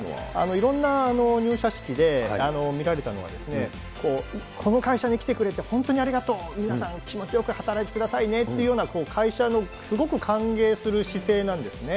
いろんな入社式で見られたのは、この会社に来てくれて、本当にありがとう、皆さん、気持ちよく働いてくださいねっていうような、会社のすごく歓迎する姿勢なんですね。